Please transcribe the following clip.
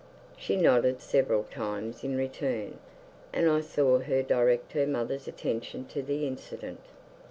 She nodded several times in return, and I saw her direct her mother's attention to the incident.